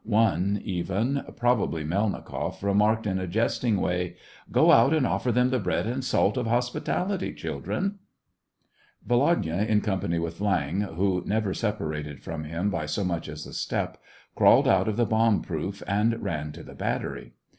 One even, probably Melnikoff, remarked, in a jesting way :—" Go out and offer them the bread and salt of hospitality, children !" Volodya, in company with Viang, who never separated from him by so much as a step, crawled out of the bomb proof, and ran to the battery.